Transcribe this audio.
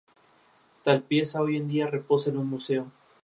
Esta bandera causó una gran conmoción en su inauguración.